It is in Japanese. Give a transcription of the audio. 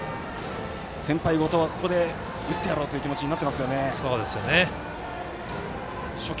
先輩、ここで打ってやろうという気持ちになっていますよね。